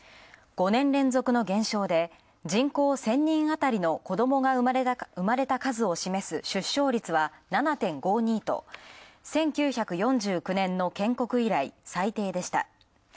５年連続の減少で人口１０００人あたりの子どもが生まれた数を示す出生率は７．５２と１９４９年の建国以来、最低でした。